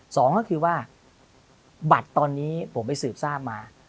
สองก็คือว่าบัตรตอนนี้ผมไปสืบทราบมา